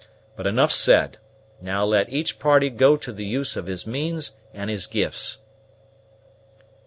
But enough said; now let each party go to the use of his means and his gifts."